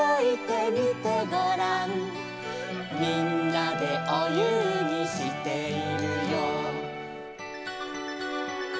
「みんなでおゆうぎしているよ」